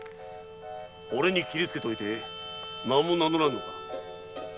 俺に斬りつけておいて名も名乗らんのか。